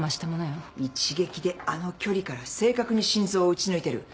一撃であの距離から正確に心臓を撃ち抜いてる。